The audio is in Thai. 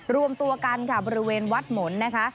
รวมตัวกันค่ะบริเวณวัดหมุนนะคะ